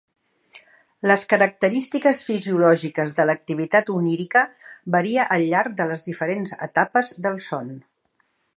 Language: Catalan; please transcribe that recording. Les característiques fisiològiques de l'activitat onírica varia al llarg de les diferents etapes del son.